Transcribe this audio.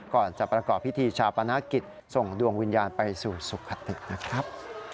ก่อนจะประกอบพิธีชาปนกิจส่งดวงวิญญาณไปสู่สุขตินะครับ